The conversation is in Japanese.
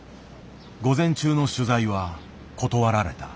午前中の取材は断られた。